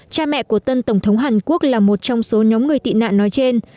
cha mẹ của tân tổng thống hàn quốc là một trong số nhóm người tị nạn nói trên